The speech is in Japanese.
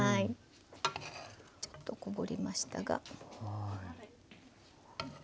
ちょっとこぼれましたが。